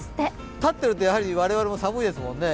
立ってると我々も寒いですもんね。